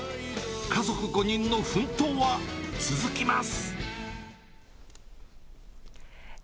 家族５人の奮闘は続きます。